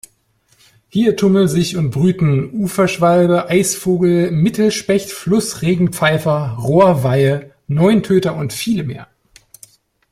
Hier tummeln sich und brüten Uferschwalbe, Eisvogel, Mittelspecht, Flussregenpfeifer, Rohrweihe, Neuntöter und viele mehr.